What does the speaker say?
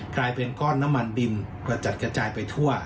กลายเป็นก้อนน้ำมันดิมกระจัดกระจายไปทั่ว